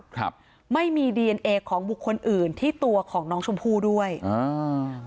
ครับไม่มีดีเอนเอของบุคคลอื่นที่ตัวของน้องชมพู่ด้วยอ่า